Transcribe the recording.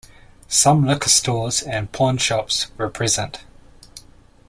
Some liquor stores and pawn shops were present.